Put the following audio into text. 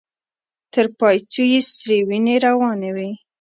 تر پايڅو يې سرې وينې روانې وې.